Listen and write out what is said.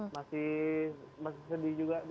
masih sedih juga dia